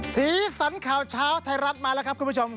สีสันข่าวเช้าไทยรัฐมาแล้วครับคุณผู้ชม